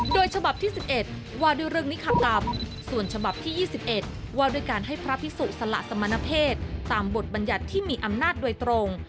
โดยฉบับที่๑๑ว่าด้วยเรื่องนิคกรรมส่วนฉบับที่๒๑ว่าด้วยการให้พระพิสุสละสมณเพศตามบทบัญญัติที่มีอำนาจโดยตรง